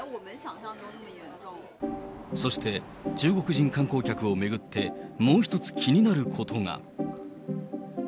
そして、中国人観光客を巡って、もう一つ気になることが。